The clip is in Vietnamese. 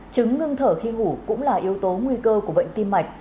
chứng ngưng thở khi ngủ cũng là yếu tố nguy cơ của bệnh tim mạch